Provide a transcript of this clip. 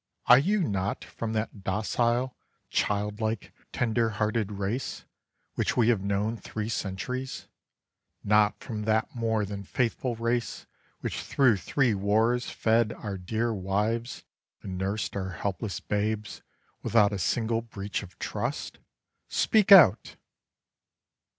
Are you not from That docile, child like, tender hearted race Which we have known three centuries? Not from That more than faithful race which through three wars Fed our dear wives and nursed our helpless babes Without a single breach of trust? Speak out!